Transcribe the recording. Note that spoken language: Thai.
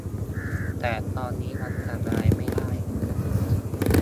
แต่ตอนนี้ยังทำอะไรไม่ได้